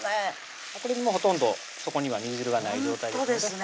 これでほとんど底には煮汁がない状態ですね